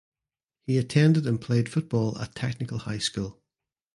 He attended and played football at Technical High School.